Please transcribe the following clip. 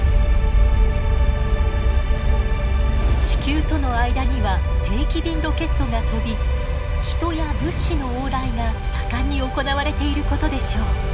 地球との間には定期便ロケットが飛び人や物資の往来が盛んに行われていることでしょう。